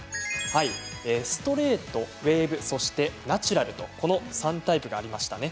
ストレート、ウエーブそしてナチュラルこの３タイプがありましたね。